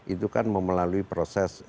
itu kan memelalui proses